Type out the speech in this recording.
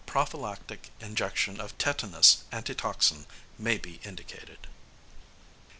Prophylactic injection of tetanus antitoxin may be indicated.